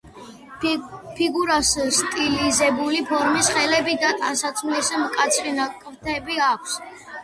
ფიგურას სტილიზებული ფორმის ხელები და ტანსაცმლის მკაცრი ნაკვთები აქვს.